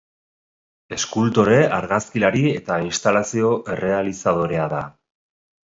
Eskultore, argazkilari eta instalazio-errealizadorea da.